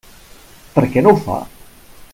Per què no ho fa?